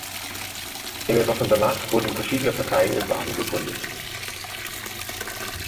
In den Wochen danach wurden verschiedene Parteien in Baden gegründet.